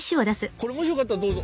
これもしよかったらどうぞ！